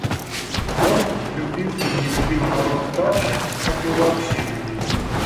Он любил и не любил народ так же, как и вообще людей.